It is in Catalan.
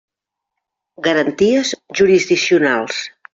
Garanties jurisdiccionals.